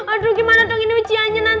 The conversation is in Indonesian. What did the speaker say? aduh gimana dong ini ujiannya nanti